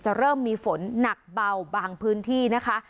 เริ่มมีฝนหนักเบาบางพื้นที่นะคะ